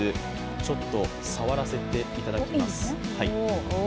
ちょっと触らせていただきます。